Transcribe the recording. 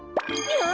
あ！